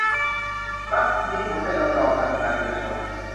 รักนี้หัวใจเราจอง - นันทนา วีระชน